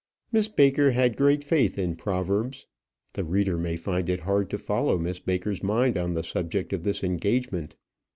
Miss Baker had great faith in proverbs. The reader may find it hard to follow Miss Baker's mind on the subject of this engagement.